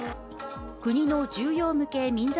国の重要無形民俗